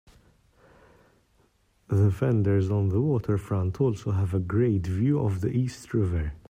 The vendors on the waterfront also have a great view of the East River.